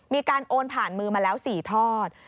มีการโอนผ่านมือมาแล้ว๔ทอด